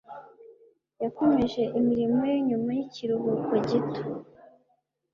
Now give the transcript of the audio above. Yakomeje imirimo ye nyuma yikiruhuko gito.